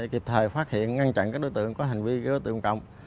kịp thời phát hiện ngăn chặn các đối tượng có hành vi gây dối trật tự công cộng